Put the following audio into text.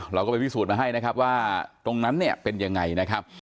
เราก็ไปพิสูจน์มาให้นะครับว่าตรงนั้นเนี่ยเป็นยังไงนะครับ